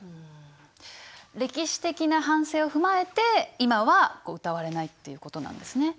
歴史的な反省を踏まえて今は歌われないっていうことなんですね。